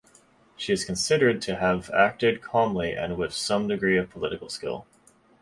She is considered to have acted calmly and with some degree of political skill.